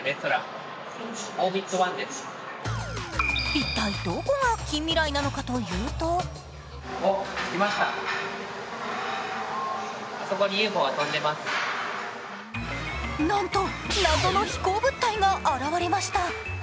一体どこが近未来なのかというとなんと謎の飛行物体が現れました。